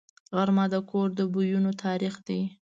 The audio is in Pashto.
غرمه د کور د بویونو تاریخ دی